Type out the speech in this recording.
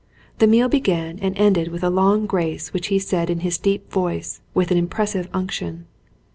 The meal began and ended with a long grace which he said in his deep voice, with an impressive unction.